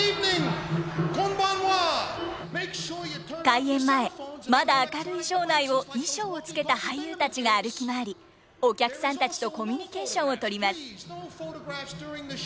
開演前まだ明るい場内を衣装を着けた俳優たちが歩き回りお客さんたちとコミュニケーションをとります。